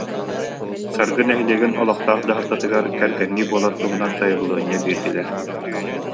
Саргы нэһилиэгин олохтоох дьаһалтатыгар кэргэннии буолар туһунан сайабылыанньа биэрдилэр